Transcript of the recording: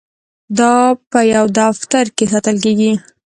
دا په یو دفتر کې ساتل کیږي.